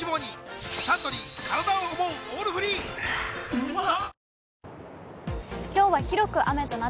うまっ！